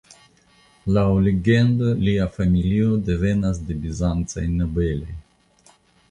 Laŭ legendo lia familio devenas de bizancaj nobeloj.